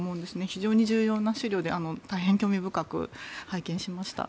非常に重要な資料で大変興味深く拝見しました。